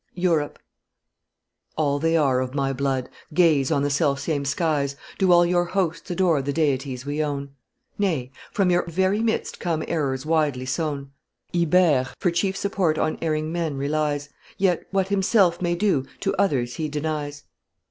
EUROPE. All they are of my blood: gaze on the self same skies Do all your hosts adore the Deities we own? Nay, from your very midst come errors widely sown. Ibere for chief support on erring men relies Yet, what himself may do, to others he denies.